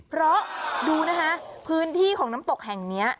เพราะดูนะคะพื้นที่ของน้ำตกแห่งนี้